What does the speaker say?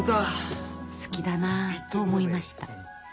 好きだなあと思いました。